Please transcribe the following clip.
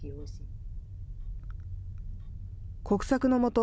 国策のもと